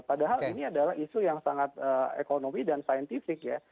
padahal ini adalah isu yang sangat ekonomi dan saintifik ya